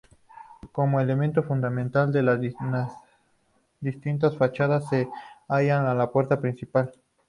Como elemento fundamental de las distintas fachadas se halla la puerta principal.